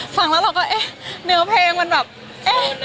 ฟังแล้วเราก็เอ๊ะเนื้อเพลงมันแบบเอ๊ะ